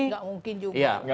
nggak mungkin juga